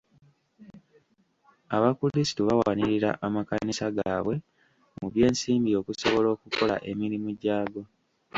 Abakulisitu bawanirira amakanisa gaabwe mu by'ensimbi okusobola okukola emirimu gy'ago.